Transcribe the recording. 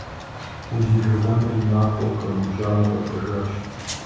Узижэгъуэныр и махуэу къэгубжьауэ къэкӏуэжащ.